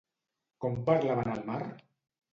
Com parlaven al mar?